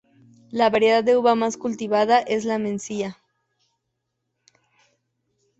La variedad de uva más cultivada es la mencía.